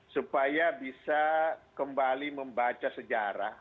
supaya bisa kembali membaca sejarah